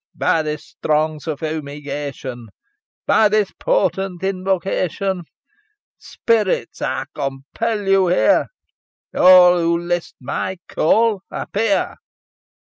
By this strong suffumigation, By this potent invocation, Spirits! I compel you here! All who list may call appear!"